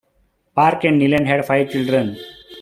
Park and Niland had five children.